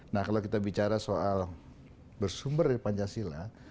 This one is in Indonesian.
nah kalau kita bicara soal bersumber dari pancasila